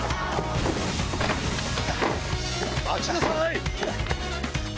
待ちなさい！